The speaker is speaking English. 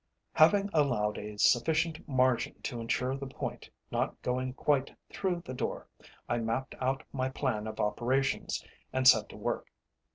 Having allowed a sufficient margin to ensure the point not going quite through the door, I mapped out my plan of operations, and set to work.